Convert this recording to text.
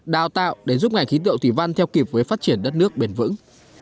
đào tạo để giúp ngành khí tượng thủy văn theo kịp với phát triển đất nước bền vững